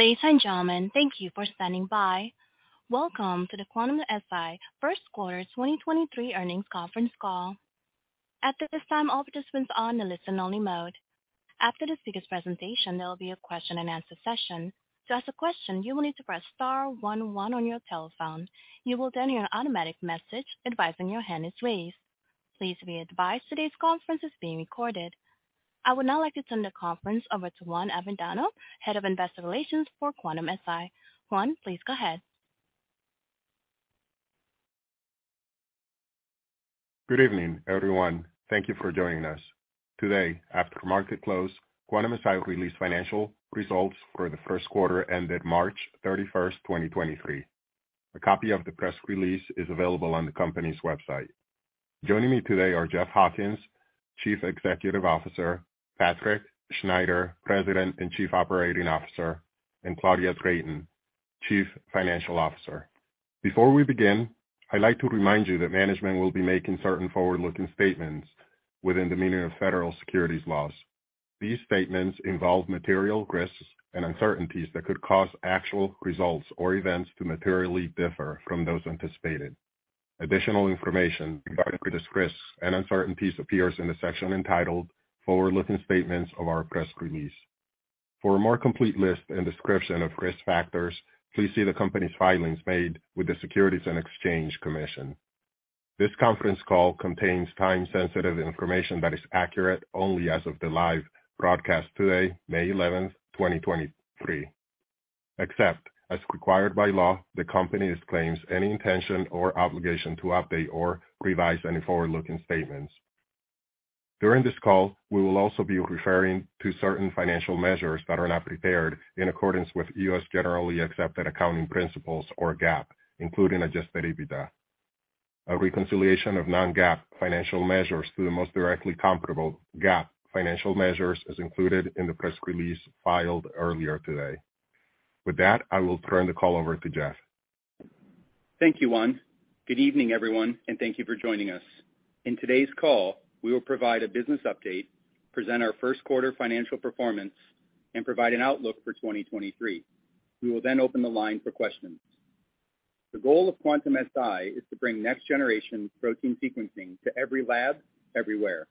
Ladies and gentlemen, thank you for standing by. Welcome to the Quantum-Si First Quarter 2023 Earnings Conference Call. At this time, all participants are on the listen only mode. After the speaker's presentation, there will be a question and answer session. To ask a question, you will need to press star one one on your telephone. You will then hear an automatic message advising your hand is raised. Please be advised today's conference is being recorded. I would now like to turn the conference over to Juan Avendano, Head of Investor Relations for Quantum-Si. Juan, please go ahead. Good evening, everyone. Thank you for joining us. Today, after market close, Quantum-Si released financial results for the first quarter ended March 31st, 2023. A copy of the press release is available on the company's website. Joining me today are Jeff Hawkins, Chief Executive Officer, Patrick Schneider, President and Chief Operating Officer, and Claudia Creighton, Chief Financial Officer. Before we begin, I'd like to remind you that management will be making certain forward-looking statements within the meaning of federal securities laws. These statements involve material risks and uncertainties that could cause actual results or events to materially differ from those anticipated. Additional information regarding these risks and uncertainties appears in the section entitled Forward Looking Statements of our press release. For a more complete list and description of risk factors, please see the company's filings made with the Securities and Exchange Commission. This conference call contains time-sensitive information that is accurate only as of the live broadcast today, May 11th, 2023. Except as required by law, the company disclaims any intention or obligation to update or revise any forward-looking statements. During this call, we will also be referring to certain financial measures that are not prepared in accordance with U.S. generally accepted accounting principles or GAAP, including Adjusted EBITDA. A reconciliation of non-GAAP financial measures to the most directly comparable GAAP financial measures is included in the press release filed earlier today. With that, I will turn the call over to Jeff. Thank you, Juan. Good evening, everyone, and thank you for joining us. In today's call, we will provide a business update, present our first quarter financial performance, and provide an outlook for 2023. We will open the line for questions. The goal of Quantum-Si is to bring next-generation protein sequencing to every lab everywhere.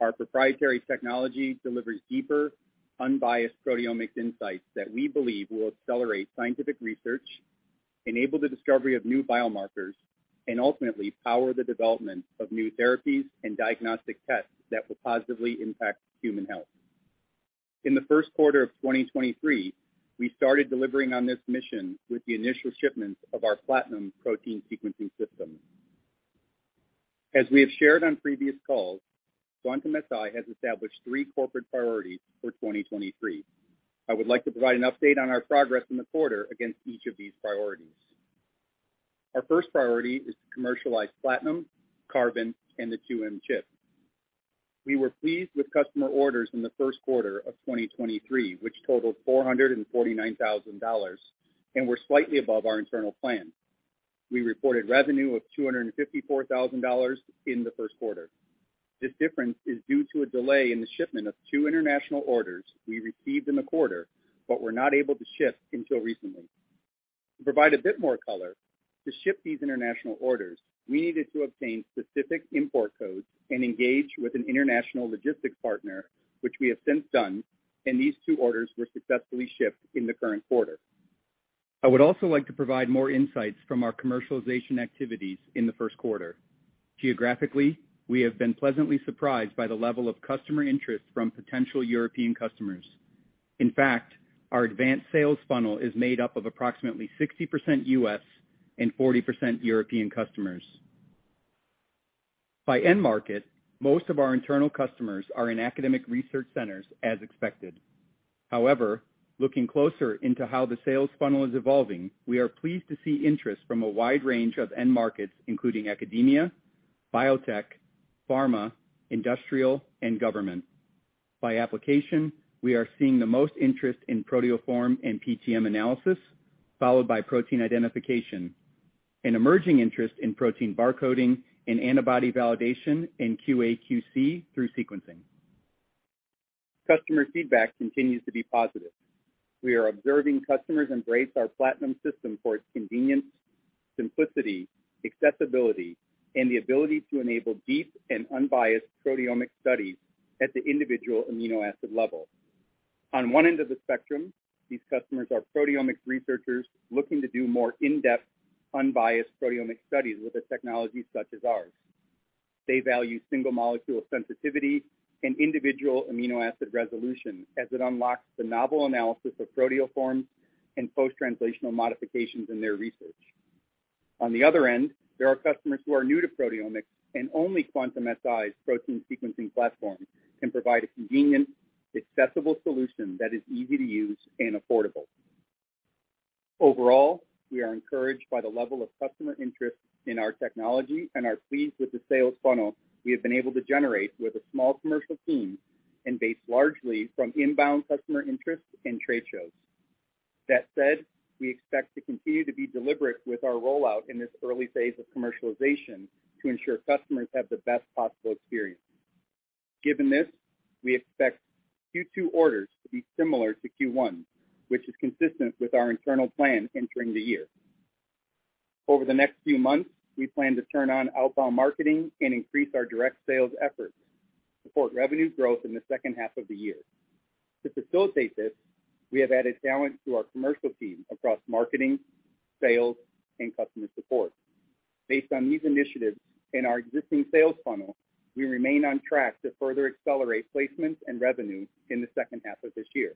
Our proprietary technology delivers deeper, unbiased proteomic insights that we believe will accelerate scientific research, enable the discovery of new biomarkers, and ultimately power the development of new therapies and diagnostic tests that will positively impact human health. In the first quarter of 2023, we started delivering on this mission with the initial shipments of our Platinum protein sequencing system. As we have shared on previous calls, Quantum-Si has established three corporate priorities for 2023. I would like to provide an update on our progress in the quarter against each of these priorities. Our first priority is to commercialize Platinum, Carbon, and the 2M chip. We were pleased with customer orders in the first quarter of 2023, which totaled $449,000 and were slightly above our internal plan. We reported revenue of $254,000 in the first quarter. This difference is due to a delay in the shipment of two international orders we received in the quarter, but were not able to ship until recently. To provide a bit more color, to ship these international orders, we needed to obtain specific import codes and engage with an international logistics partner, which we have since done, and these two orders were successfully shipped in the current quarter. I would also like to provide more insights from our commercialization activities in the first quarter. Geographically, we have been pleasantly surprised by the level of customer interest from potential European customers. In fact, our advanced sales funnel is made up of approximately 60% U.S. and 40% European customers. By end market, most of our internal customers are in academic research centers as expected. However, looking closer into how the sales funnel is evolving, we are pleased to see interest from a wide range of end markets, including academia, biotech, pharma, industrial, and government. By application, we are seeing the most interest in proteoform and PTM analysis, followed by protein identification, and emerging interest in protein barcoding and antibody validation in QA/QC through sequencing. Customer feedback continues to be positive. We are observing customers embrace our Platinum system for its convenience, simplicity, accessibility, and the ability to enable deep and unbiased proteomic studies at the individual amino acid level. On one end of the spectrum, these customers are proteomic researchers looking to do more in-depth, unbiased proteomic studies with a technology such as ours. They value single-molecule sensitivity and individual amino acid resolution as it unlocks the novel analysis of proteoforms and post-translational modifications in their research. On the other end, there are customers who are new to proteomics and only Quantum-Si's protein sequencing platform can provide a convenient, accessible solution that is easy to use and affordable. Overall, we are encouraged by the level of customer interest in our technology and are pleased with the sales funnel we have been able to generate with a small commercial team and based largely from inbound customer interest and trade shows. That said, we expect to continue to be deliberate with our rollout in this early phase of commercialization to ensure customers have the best possible experience. Given this, we expect Q2 orders to be similar to Q1, which is consistent with our internal plan entering the year. Over the next few months, we plan to turn on outbound marketing and increase our direct sales efforts, support revenue growth in the second half of the year. To facilitate this, we have added talent to our commercial team across marketing, sales, and customer support. Based on these initiatives in our existing sales funnel, we remain on track to further accelerate placements and revenue in the second half of this year.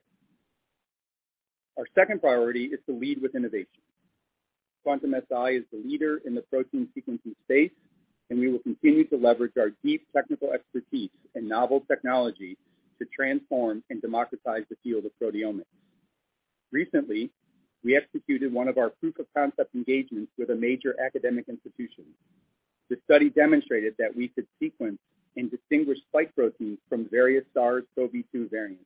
Our second priority is to lead with innovation. Quantum-Si is the leader in the protein sequencing space, and we will continue to leverage our deep technical expertise and novel technology to transform and democratize the field of proteomics. Recently, we executed one of our proof of concept engagements with a major academic institution. The study demonstrated that we could sequence and distinguish spike proteins from various SARS-CoV-2 variants.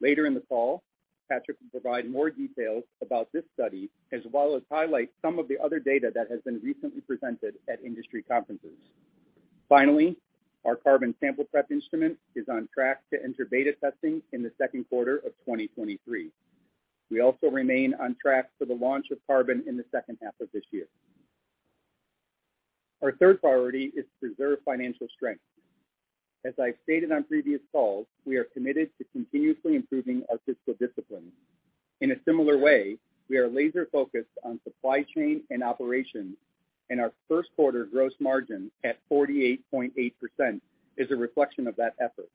Later in the fall, Patrick will provide more details about this study as well as highlight some of the other data that has been recently presented at industry conferences. Finally, our Carbon sample prep instrument is on track to enter beta testing in the second quarter of 2023. We also remain on track for the launch of Carbon in the second half of this year. Our third priority is to preserve financial strength. As I've stated on previous calls, we are committed to continuously improving our fiscal discipline. In a similar way, we are laser-focused on supply chain and operations, and our first quarter gross margin at 48.8% is a reflection of that effort.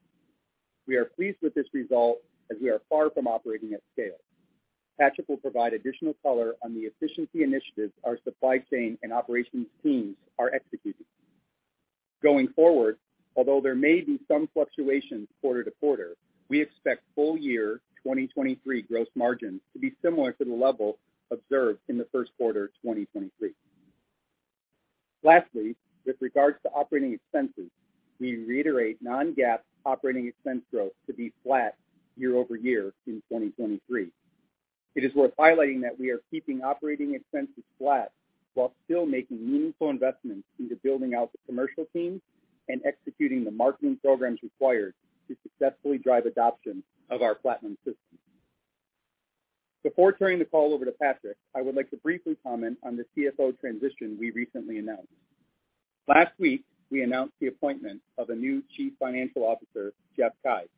We are pleased with this result as we are far from operating at scale. Patrick will provide additional color on the efficiency initiatives our supply chain and operations teams are executing. Going forward, although there may be some fluctuations quarter to quarter, we expect full year 2023 gross margins to be similar to the level observed in the first quarter of 2023. Lastly, with regards to operating expenses, we reiterate non-GAAP operating expense growth to be flat year-over-year in 2023. It is worth highlighting that we are keeping operating expenses flat while still making meaningful investments into building out the commercial teams and executing the marketing programs required to successfully drive adoption of our Platinum system. Before turning the call over to Patrick, I would like to briefly comment on the CFO transition we recently announced. Last week, we announced the appointment of a new Chief Financial Officer, Jeff Keyes,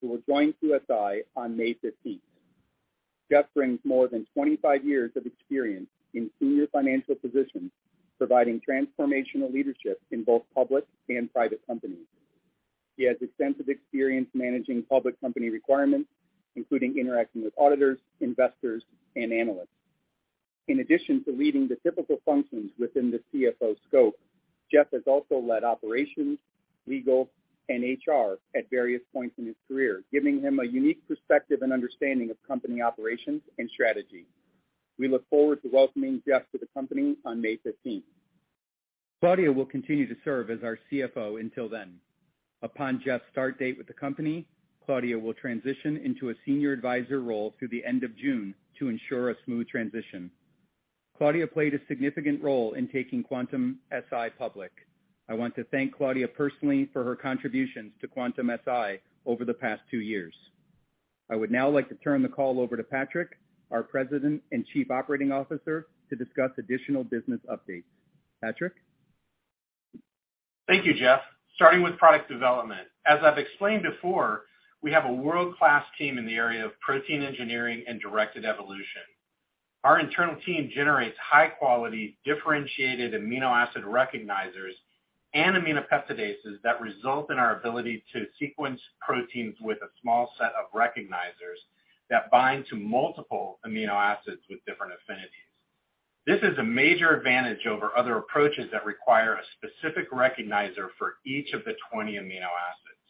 who will join QSI on May 15th. Jeff brings more than 25 years of experience in senior financial positions, providing transformational leadership in both public and private companies. He has extensive experience managing public company requirements, including interacting with auditors, investors, and analysts. In addition to leading the typical functions within the CFO scope, Jeff has also led operations, legal, and HR at various points in his career, giving him a unique perspective and understanding of company operations and strategy. We look forward to welcoming Jeff to the company on May fifteenth. Claudia will continue to serve as our CFO until then. Upon Jeff's start date with the company, Claudia will transition into a senior advisor role through the end of June to ensure a smooth transition. Claudia played a significant role in taking Quantum-Si public. I want to thank Claudia personally for her contributions to Quantum-Si over the past two years. I would now like to turn the call over to Patrick, our President and Chief Operating Officer, to discuss additional business updates. Patrick. Thank you, Jeff. Starting with product development. As I've explained before, we have a world-class team in the area of protein engineering and directed evolution. Our internal team generates high-quality, differentiated amino acid recognizers and aminopeptidases that result in our ability to sequence proteins with a small set of recognizers that bind to multiple amino acids with different affinities. This is a major advantage over other approaches that require a specific recognizer for each of the 20 amino acids.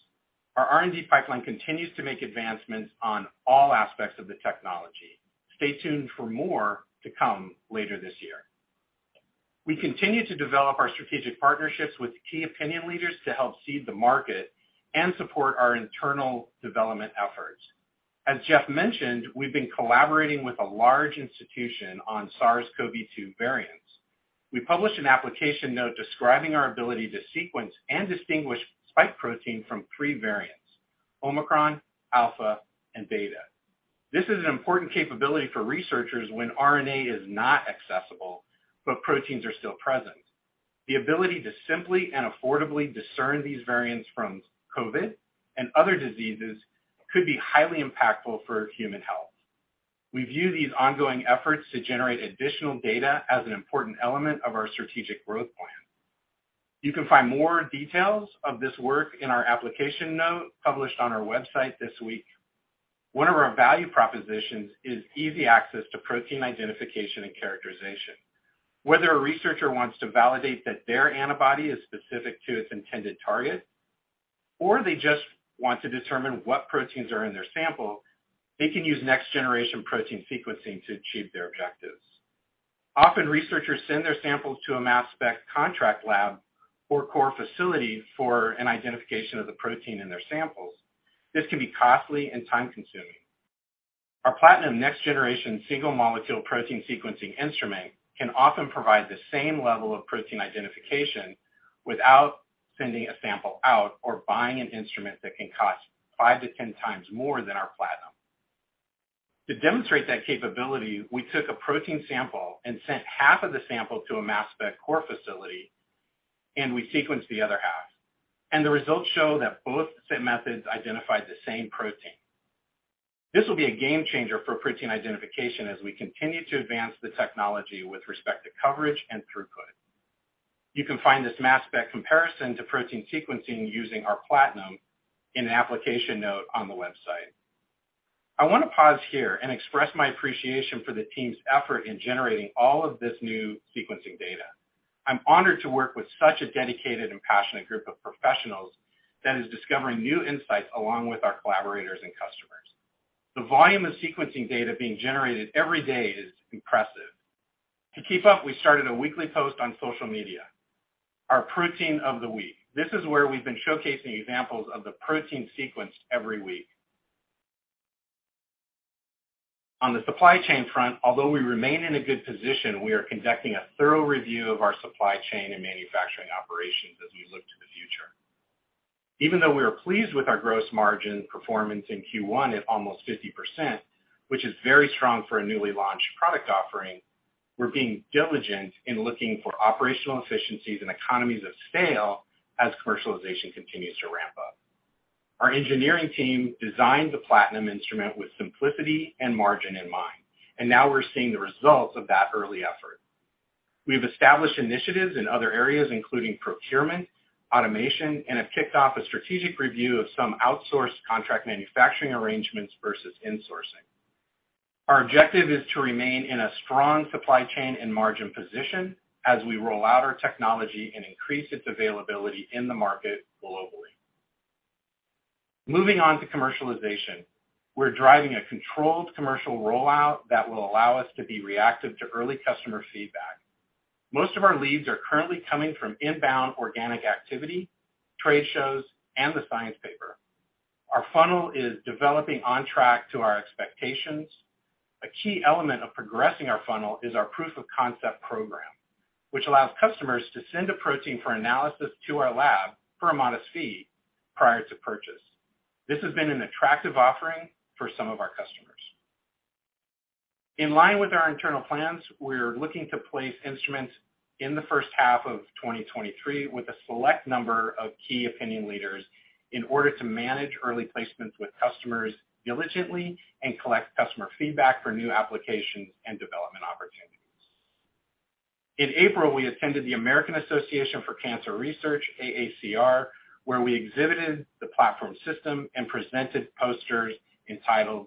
Our R&D pipeline continues to make advancements on all aspects of the technology. Stay tuned for more to come later this year. We continue to develop our strategic partnerships with key opinion leaders to help seed the market and support our internal development efforts. As Jeff mentioned, we've been collaborating with a large institution on SARS-CoV-2 variants. We published an application note describing our ability to sequence and distinguish spike protein from three variants, Omicron, Alpha, and Beta. This is an important capability for researchers when RNA is not accessible, but proteins are still present. The ability to simply and affordably discern these variants from COVID and other diseases could be highly impactful for human health. We view these ongoing efforts to generate additional data as an important element of our strategic growth plan. You can find more details of this work in our application note published on our website this week. One of our value propositions is easy access to protein identification and characterization. Whether a researcher wants to validate that their antibody is specific to its intended target, or they just want to determine what proteins are in their sample, they can use next-generation protein sequencing to achieve their objectives. Often, researchers send their samples to a mass spec contract lab or core facility for an identification of the protein in their samples. This can be costly and time-consuming. Our Platinum next generation single molecule protein sequencing instrument can often provide the same level of protein identification without sending a sample out or buying an instrument that can cost 5 to 10x more than our Platinum. To demonstrate that capability, we took a protein sample and sent half of the sample to a mass spec core facility. We sequenced the other half. The results show that both sent methods identified the same protein. This will be a game changer for protein identification as we continue to advance the technology with respect to coverage and throughput. You can find this mass spec comparison to protein sequencing using our Platinum in an application note on the website. I want to pause here and express my appreciation for the team's effort in generating all of this new sequencing data. I'm honored to work with such a dedicated and passionate group of professionals that is discovering new insights along with our collaborators and customers. The volume of sequencing data being generated every day is impressive. To keep up, we started a weekly post on social media, our Protein of the Week. This is where we've been showcasing examples of the protein sequenced every week. On the supply chain front, although we remain in a good position, we are conducting a thorough review of our supply chain and manufacturing operations as we look to the future. Even though we are pleased with our gross margin performance in Q1 at almost 50%, which is very strong for a newly launched product offering, we're being diligent in looking for operational efficiencies and economies of scale as commercialization continues to ramp up. Our engineering team designed the Platinum instrument with simplicity and margin in mind, and now we're seeing the results of that early effort. We've established initiatives in other areas, including procurement, automation, and have kicked off a strategic review of some outsourced contract manufacturing arrangements versus insourcing. Our objective is to remain in a strong supply chain and margin position as we roll out our technology and increase its availability in the market globally. Moving on to commercialization. We're driving a controlled commercial rollout that will allow us to be reactive to early customer feedback. Most of our leads are currently coming from inbound organic activity, trade shows, and the science paper. Our funnel is developing on track to our expectations. A key element of progressing our funnel is our proof of concept program, which allows customers to send a protein for analysis to our lab for a modest fee prior to purchase. This has been an attractive offering for some of our customers. In line with our internal plans, we're looking to place instruments in the first half of 2023 with a select number of key opinion leaders in order to manage early placements with customers diligently and collect customer feedback for new applications and development opportunities. In April, we attended the American Association for Cancer Research, AACR, where we exhibited the platform system and presented posters entitled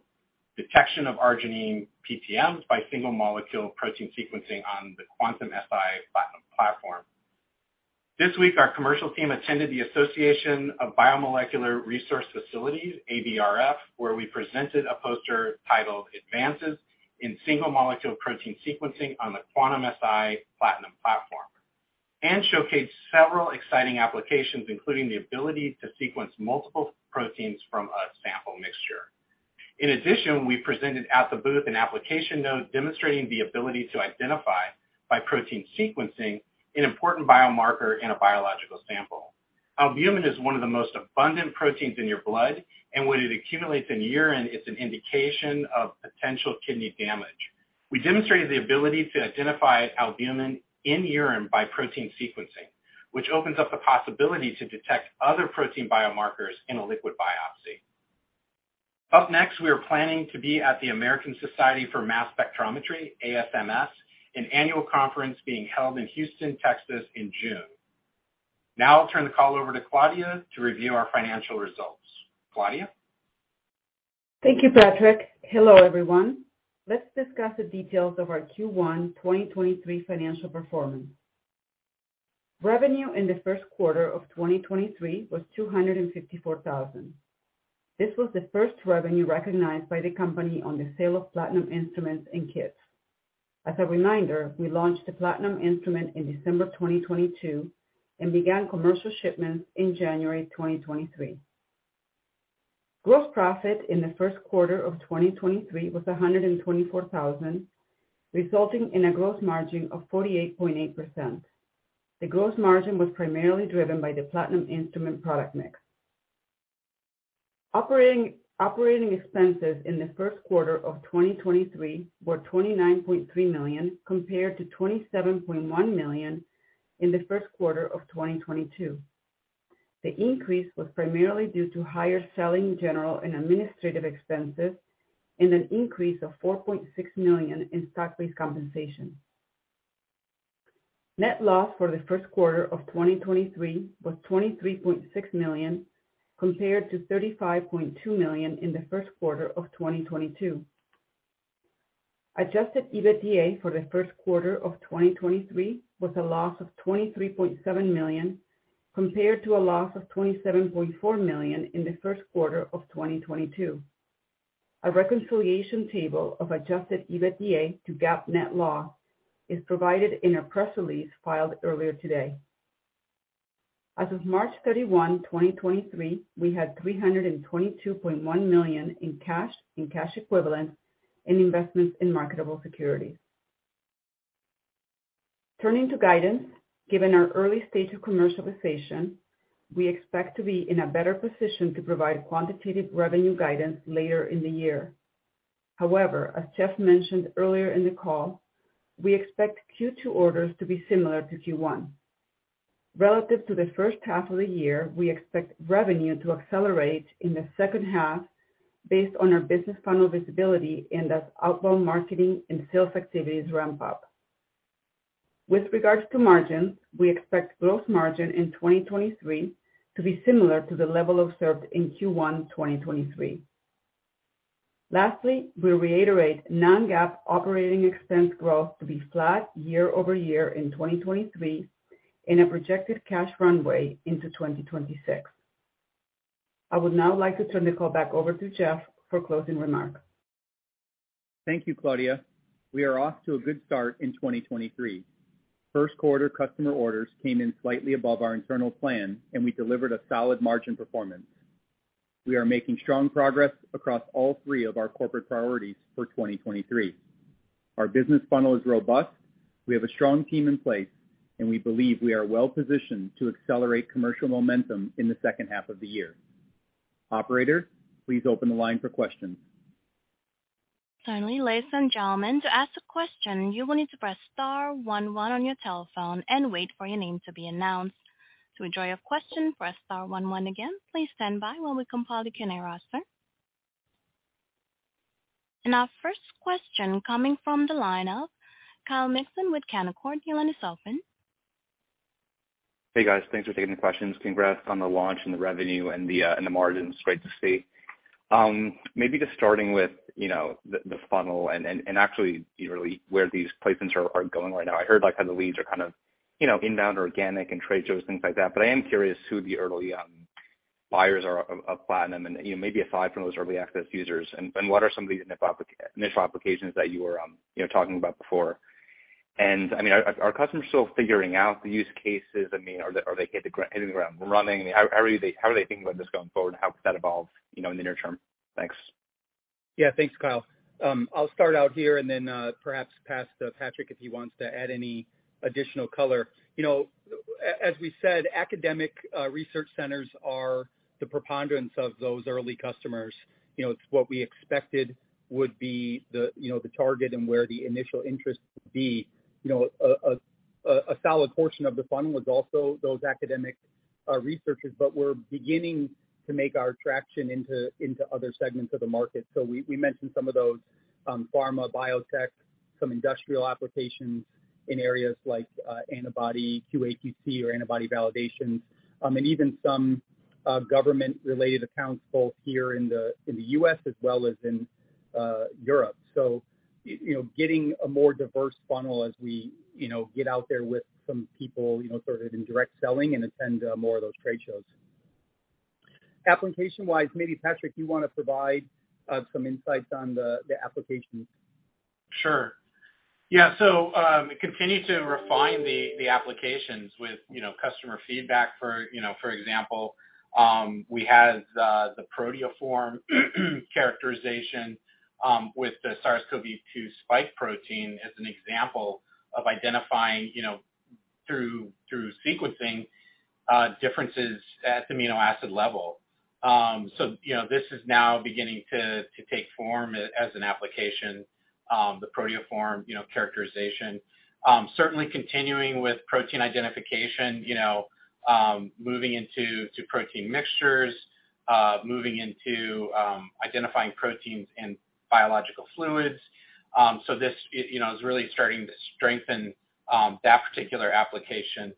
Detection of Arginine PTMs by single-molecule protein sequencing on the Quantum-Si Platinum Platform. This week our commercial team attended the Association of Biomolecular Resource Facilities, ABRF, where we presented a poster titled Advances in Single Molecule Protein Sequencing on the Quantum-Si Platinum Platform, and showcased several exciting applications, including the ability to sequence multiple proteins from a sample mixture. In addition, we presented at the booth an application note demonstrating the ability to identify by protein sequencing an important biomarker in a biological sample. Albumin is one of the most abundant proteins in your blood, and when it accumulates in urine, it's an indication of potential kidney damage. We demonstrated the ability to identify albumin in urine by protein sequencing, which opens up the possibility to detect other protein biomarkers in a liquid biopsy. Up next, we are planning to be at the American Society for Mass Spectrometry, ASMS, an annual conference being held in Houston, Texas in June. Now I'll turn the call over to Claudia to review our financial results. Claudia? Thank you, Patrick. Hello, everyone. Let's discuss the details of our Q1 2023 financial performance. Revenue in the first quarter of 2023 was $254,000. This was the first revenue recognized by the company on the sale of Platinum instruments and kits. As a reminder, we launched the Platinum instrument in December 2022 and began commercial shipments in January 2023. Gross profit in the first quarter of 2023 was $124,000, resulting in a gross margin of 48.8%. The gross margin was primarily driven by the Platinum instrument product mix. Operating expenses in the first quarter of 2023 were $29.3 million, compared to $27.1 million in the first quarter of 2022. The increase was primarily due to higher selling, general and administrative expenses and an increase of $4.6 million in stock-based compensation. Net loss for the first quarter of 2023 was $23.6 million, compared to $35.2 million in the first quarter of 2022. Adjusted EBITDA for the first quarter of 2023 was a loss of $23.7 million, compared to a loss of $27.4 million in the first quarter of 2022. A reconciliation table of Adjusted EBITDA to GAAP net loss is provided in a press release filed earlier today. As of March 31, 2023, we had $322.1 million in cash and cash equivalents and investments in marketable securities. Turning to guidance, given our early stage of commercialization, we expect to be in a better position to provide quantitative revenue guidance later in the year. As Jeff mentioned earlier in the call, we expect Q2 orders to be similar to Q1. Relative to the first half of the year, we expect revenue to accelerate in the second half based on our business funnel visibility and as outbound marketing and sales activities ramp up. With regards to margins, we expect gross margin in 2023 to be similar to the level observed in Q1 2023. Lastly, we reiterate non-GAAP operating expense growth to be flat year-over-year in 2023 in a projected cash runway into 2026. I would now like to turn the call back over to Jeff for closing remarks. Thank you, Claudia. We are off to a good start in 2023. First quarter customer orders came in slightly above our internal plan. We delivered a solid margin performance. We are making strong progress across all three of our corporate priorities for 2023. Our business funnel is robust. We have a strong team in place. We believe we are well-positioned to accelerate commercial momentum in the second half of the year. Operator, please open the line for questions. Certainly. Ladies and gentlemen, to ask a question, you will need to press star one one on your telephone and wait for your name to be announced. To withdraw your question, press star one one again. Please stand by while we compile the Q&A roster. Our first question coming from the line of Kyle Mikson with Canaccord. Your line is open. Hey, guys. Thanks for taking the questions. Congrats on the launch and the revenue and the and the margins. Great to see. Maybe just starting with, you know, the funnel and, actually really where these placements are going right now. I heard like how the leads are kind of, you know, inbound or organic and trade shows, things like that, but I am curious who the early buyers are of Platinum and, you know, maybe a thought from those early access users and what are some of these initial applications that you were, you know, talking about before. I mean, are customers still figuring out the use cases? I mean, are they hitting the ground running? How are they thinking about this going forward and how could that evolve, you know, in the near term? Thanks. Yeah. Thanks, Kyle. I'll start out here and then perhaps pass to Patrick if he wants to add any additional color. You know, as we said, academic research centers are the preponderance of those early customers. You know, it's what we expected would be the, you know, the target and where the initial interest would be. You know, a solid portion of the funnel was also those academic researchers. We're beginning to make our traction into other segments of the market. We mentioned some of those, pharma, biotech, some industrial applications in areas like antibody QA/QC or antibody validations, and even some government related accounts both here in the U.S. as well as in Europe. You know, getting a more diverse funnel as we, you know, get out there with some people, you know, sort of in direct selling and attend more of those trade shows. Application-wise, maybe Patrick, you want to provide some insights on the applications. Sure. Yeah. We continue to refine the applications with, you know, customer feedback for, you know, for example, we have the proteoform characterization with the SARS-CoV-2 spike protein as an example of identifying, you know, through sequencing differences at the amino acid level. This is now beginning to take form as an application, the proteoform, you know, characterization. Certainly continuing with protein identification, you know, moving into protein mixtures, moving into identifying proteins in biological fluids. This, you know, is really starting to strengthen that particular application.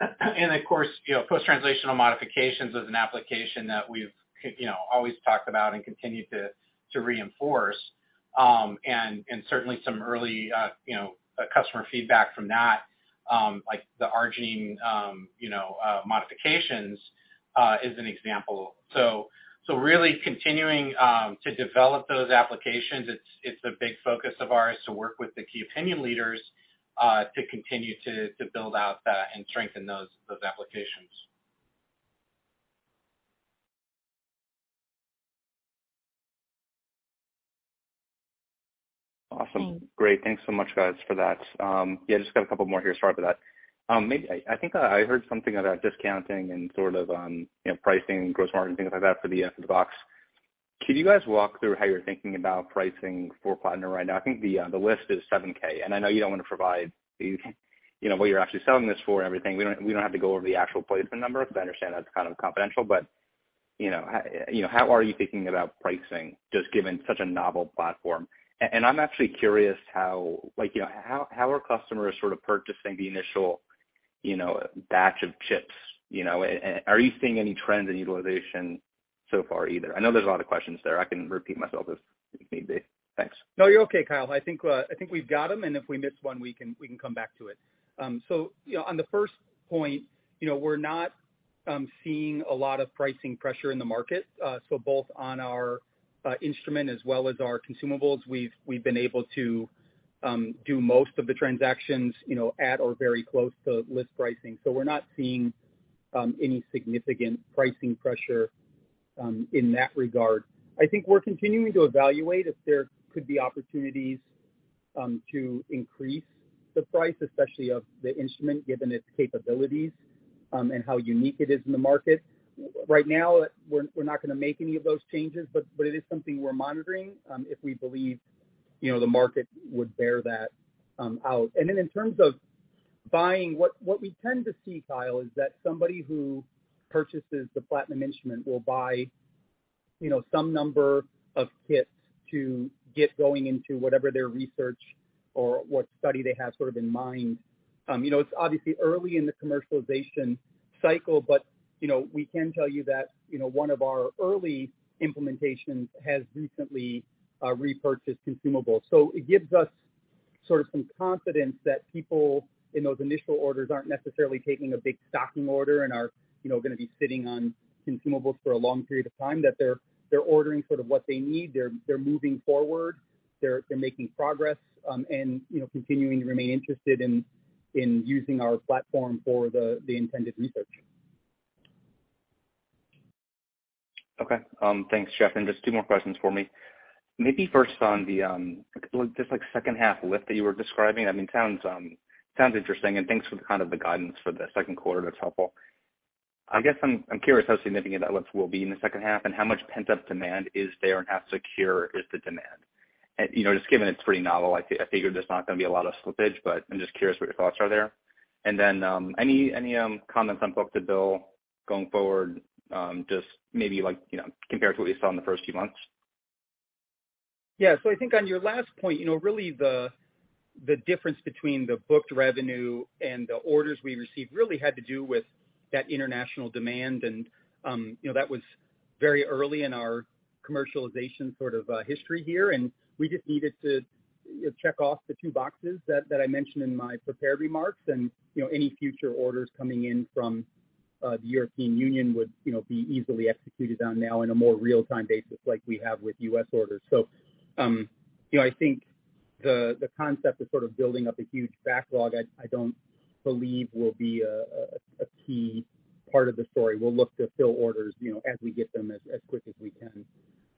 Of course, you know, post-translational modifications is an application that we've, you know, always talked about and continue to reinforce. Certainly some early, you know, customer feedback from that, like the arginine, you know, modifications, is an example. Really continuing to develop those applications, it's a big focus of ours to work with the key opinion leaders, to continue to build out and strengthen those applications. Awesome. Thanks. Great. Thanks so much, guys, for that. Yeah, just got a couple more here. Sorry for that. Maybe I think, I heard something about discounting and sort of, you know, pricing, gross margin, things like that for the box. Can you guys walk through how you're thinking about pricing for Platinum right now? I think the list is $7,000, and I know you don't want to provide the, you know, what you're actually selling this for and everything. We don't have to go over the actual placement numbers. I understand that's kind of confidential, but, you know, how, you know, how are you thinking about pricing just given such a novel platform? And I'm actually curious how, like, you know, how are customers sort of purchasing the initial, you know, batch of chips, you know? Are you seeing any trends in utilization so far either? I know there's a lot of questions there. I can repeat myself if need be. Thanks. No, you're okay, Kyle. I think, I think we've got them, and if we miss one, we can come back to it. You know, on the first point, you know, we're not seeing a lot of pricing pressure in the market. Both on our instrument as well as our consumables, we've been able to do most of the transactions, you know, at or very close to list pricing. We're not seeing any significant pricing pressure in that regard. I think we're continuing to evaluate if there could be opportunities to increase the price, especially of the instrument, given its capabilities and how unique it is in the market. Right now, we're not gonna make any of those changes, but it is something we're monitoring, if we believe, you know, the market would bear that out. In terms of buying, what we tend to see, Kyle, is that somebody who purchases the Platinum instrument will buy, you know, some number of kits to get going into whatever their research or what study they have sort of in mind. You know, it's obviously early in the commercialization cycle, but, you know, we can tell you that, you know, one of our early implementations has recently repurchased consumables. It gives us sort of some confidence that people in those initial orders aren't necessarily taking a big stocking order and are, you know, gonna be sitting on consumables for a long period of time, that they're ordering sort of what they need, they're moving forward, they're making progress, and, you know, continuing to remain interested in using our platform for the intended research. Okay. Thanks, Jeff. Just two more questions for me. Maybe first on the just second half lift that you were describing. I mean, it sounds sounds interesting, and thanks for kind of the guidance for the second quarter. That's helpful. I guess I'm curious how significant that lift will be in the second half and how much pent-up demand is there and how secure is the demand? You know, just given it's pretty novel, I figure there's not gonna be a lot of slippage, but I'm just curious what your thoughts are there. Any comments on book-to-bill going forward, just maybe, you know, compared to what you saw in the first few months? Yeah. I think on your last point, you know, really the difference between the booked revenue and the orders we received really had to do with that international demand and, you know, that was very early in our commercialization sort of history here, and we just needed to check off the two boxes that I mentioned in my prepared remarks. You know, any future orders coming in from the European Union would, you know, be easily executed on now in a more real-time basis like we have with U.S. orders. You know, I think the concept of sort of building up a huge backlog, I don't believe will be a key part of the story. We'll look to fill orders, you know, as we get them as quick as we can.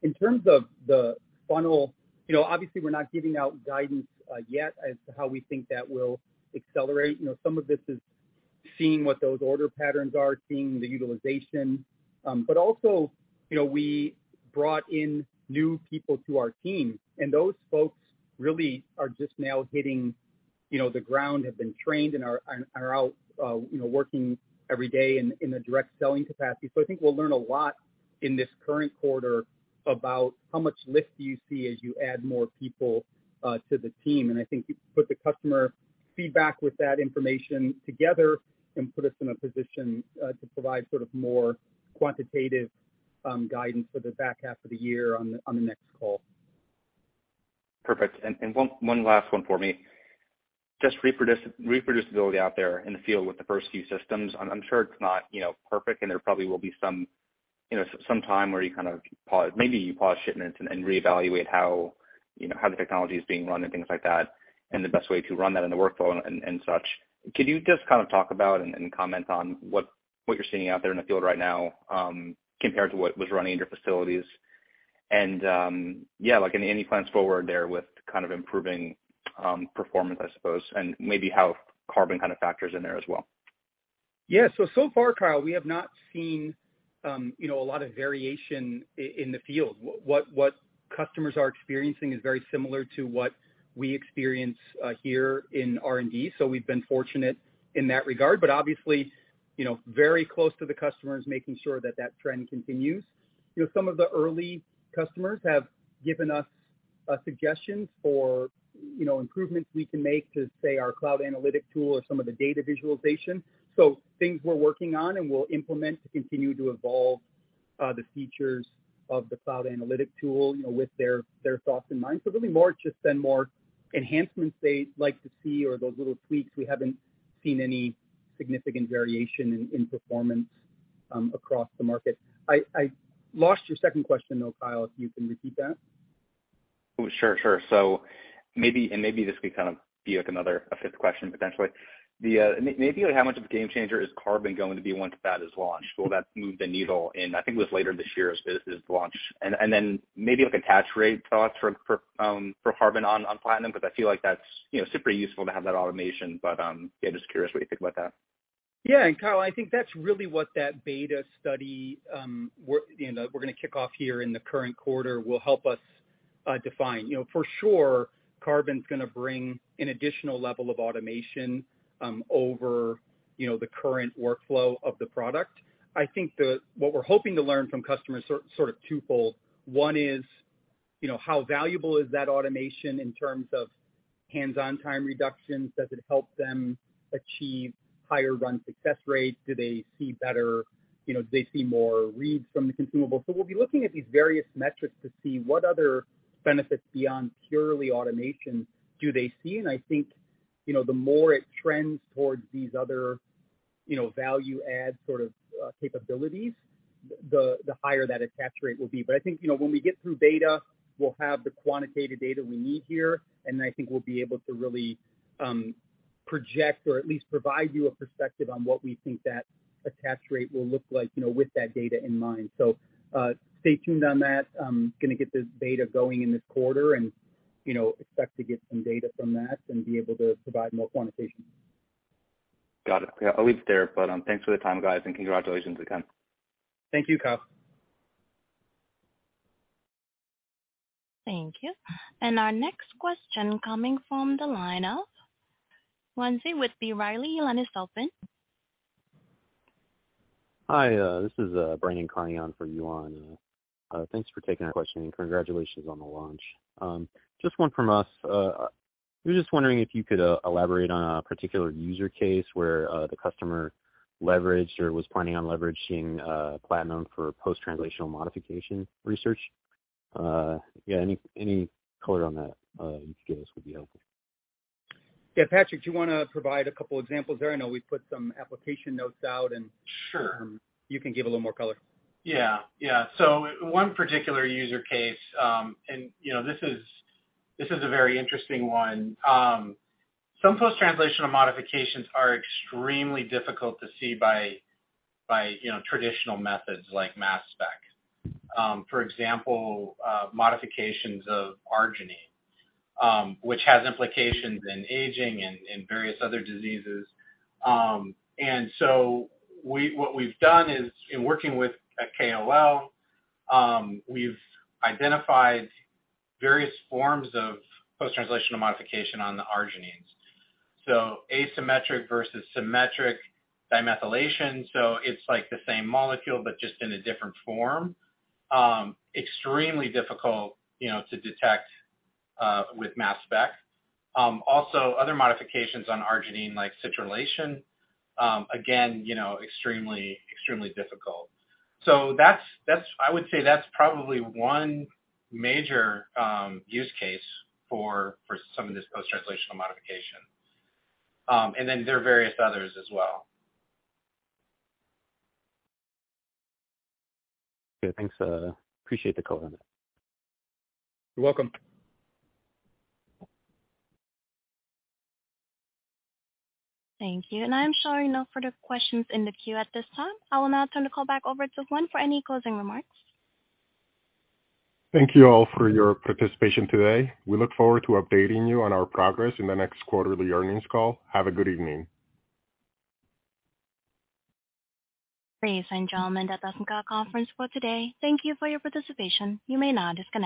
In terms of the funnel, you know, obviously we're not giving out guidance yet as to how we think that will accelerate. You know, some of this is seeing what those order patterns are, seeing the utilization. Also, you know, we brought in new people to our team, and those folks really are just now hitting, you know, the ground, have been trained and are, and are out, you know, working every day in a direct selling capacity. I think we'll learn a lot in this current quarter about how much lift do you see as you add more people to the team. I think you put the customer feedback with that information together can put us in a position to provide sort of more quantitative guidance for the back half of the year on the next call. Perfect. One last one for me. Just reproducibility out there in the field with the first few systems. I'm sure it's not, you know, perfect and there probably will be some, you know, some time where you kind of pause, maybe you pause shipments and reevaluate how, you know, how the technology is being run and things like that, and the best way to run that in the workflow and such. Could you just kind of talk about and comment on what you're seeing out there in the field right now, compared to what was running in your facilities? Yeah, like any plans forward there with kind of improving performance, I suppose, and maybe how Carbon kind of factors in there as well? Yeah. So far, Kyle, we have not seen, you know, a lot of variation in the field. What customers are experiencing is very similar to what we experience here in R&D. We've been fortunate in that regard. Obviously, you know, very close to the customers, making sure that that trend continues. You know, some of the early customers have given us suggestions for, you know, improvements we can make to, say, our cloud analytic tool or some of the data visualization. Things we're working on and we'll implement to continue to evolve the features of the cloud analytic tool, you know, with their thoughts in mind. Really more just then more enhancements they'd like to see or those little tweaks. We haven't seen any significant variation in performance across the market. I lost your second question though, Kyle, if you can repeat that. Oh, sure. Maybe and maybe this could kind of be like another a fifth question potentially. The maybe like how much of a game changer is Carbon going to be once that is launched? Will that move the needle in, I think it was later this year is the launch. Then maybe like attach rate thoughts for Carbon on Platinum, 'cause I feel like that's, you know, super useful to have that automation. Yeah, just curious what you think about that. Yeah. Kyle, I think that's really what that beta study, you know, we're gonna kick off here in the current quarter, will help us define. You know, for sure Carbon's gonna bring an additional level of automation, over, you know, the current workflow of the product. I think what we're hoping to learn from customers sort of twofold. One is, you know, how valuable is that automation in terms of hands-on time reductions? Does it help them achieve higher run success rates? Do they see better, you know, more reads from the consumables? We'll be looking at these various metrics to see what other benefits beyond purely automation do they see. I think, you know, the more it trends towards these other, you know, value add sort of capabilities, the higher that attach rate will be. I think, you know, when we get through beta, we'll have the quantitative data we need here, and I think we'll be able to really, project or at least provide you a perspective on what we think that attach rate will look like, you know, with that data in mind. Stay tuned on that. Gonna get this beta going in this quarter and, you know, expect to get some data from that and be able to provide more quantification. Got it. Yeah, I'll leave it there, but, thanks for the time, guys, and congratulations again. Thank you, Kyle. Thank you. Our next question coming from the line of Lindsay with B. Riley Securities. Hi, this is Brandon Carney for Yuan. Thanks for taking our question, and congratulations on the launch. Just one from us. We're just wondering if you could elaborate on a particular user case where the customer leveraged or was planning on leveraging Platinum for post-translational modification research. Yeah, any color on that you could give us would be helpful. Yeah, Patrick, do you wanna provide a couple examples there? I know we put some application notes out. Sure. You can give a little more color. Yeah. Yeah. One particular user case, and, you know, this is, this is a very interesting one. Some post-translational modifications are extremely difficult to see by, you know, traditional methods like mass spec. For example, modifications of arginine, which has implications in aging and various other diseases. What we've done is in working with a KOL, we've identified various forms of post-translational modification on the arginines. Asymmetric versus symmetric dimethylation, so it's like the same molecule but just in a different form. Extremely difficult, you know, to detect with mass spec. Also other modifications on arginine, like citrullination, again, you know, extremely difficult. That's, that's I would say that's probably one major use case for some of this post-translational modification. There are various others as well. Okay, thanks. Appreciate the color on that. You're welcome. Thank you. I'm showing no further questions in the queue at this time. I will now turn the call back over to Jeff for any closing remarks. Thank you all for your participation today. We look forward to updating you on our progress in the next quarterly earnings call. Have a good evening. Ladies and gentlemen, that does end our conference for today. Thank you for your participation. You may now disconnect.